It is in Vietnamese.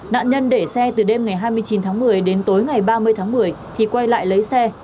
nạn nhân để xe từ đêm ngày hai mươi chín tháng một mươi đến tối ngày ba mươi tháng một mươi thì quay lại lấy xe